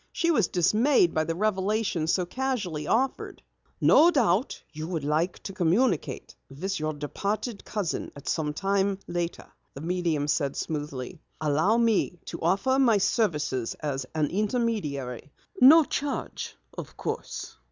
She was dismayed by the revelation so casually offered. "No doubt you would like to communicate with your departed cousin at some later time," the medium said smoothly. "Allow me to offer my services as an intermediary. No charge, of course."